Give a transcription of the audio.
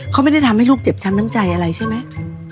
เขาไม่ได้ทำให้ลูกเจ็บช้ำน้ำใจอะไรใช่ไหม